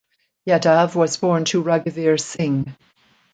Yadav was born to Raghuveer Singh.